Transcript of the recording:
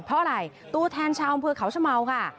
เพราะอะไรตัวแทนชาวอำเภอเขาชะเมาค่ะ